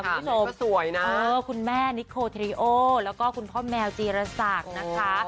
คุณผู้ชมสวยนะคุณแม่นิโคริโอแล้วก็คุณพ่อแมวจีรศักดิ์นะคะ